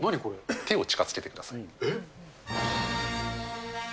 手を近づけてください。